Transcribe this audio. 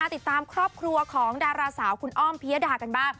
ติดตามครอบครัวของดาราสาวคุณอ้อมพิยดากันบ้าง